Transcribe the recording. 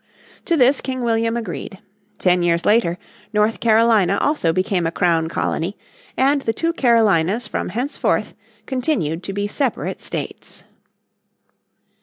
To this King William agreed. Ten years later North Carolina also became a Crown Colony, and the two Carolinas from henceforth continued to be separate states.